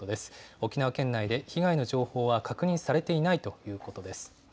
沖縄県内で被害の情報は確認されていないということです。